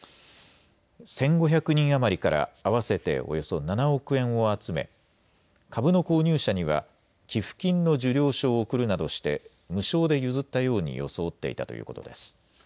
１５００人余りから合わせておよそ７億円を集め株の購入者には寄付金の受領書を送るなどして無償で譲ったように装っていたということです。